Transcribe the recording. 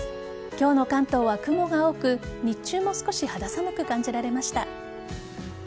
今日の関東は雲が多く日中も少し肌寒く感じられました。